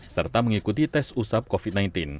serta mengikuti tes usap covid sembilan belas